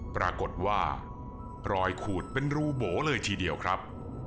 ปรากฏว่ารอยขูดเป็นรูโบเลยทีเดียวครับ